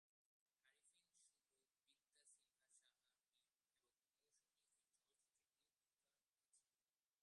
আরেফিন শুভ, বিদ্যা সিনহা সাহা মীম এবং মৌসুমী এই চলচ্চিত্রে মূল ভূমিকায় আছে।